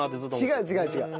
違う違う違う。